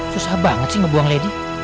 susah banget sih ngebuang lady